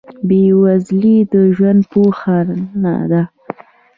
بیولوژي د ژوند پوهنه ده